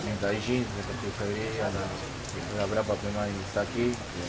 ada yang dari jinn seperti ini ada beberapa pemain dari saki